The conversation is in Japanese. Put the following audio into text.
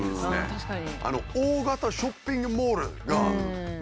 確かに。